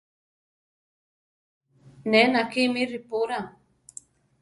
Ne nakí mí ripurá.